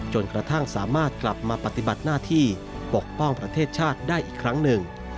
จนกระทั่งสามารถกลับมาปฏิบัติหน้าที่ปกป้องประเทศชาติได้อีกครั้งหนึ่ง